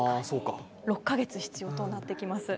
６か月必要となってきます